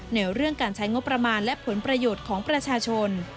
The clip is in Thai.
ในเรื่องการใช้งบประมาณและผลประโยชน์ของประชาชน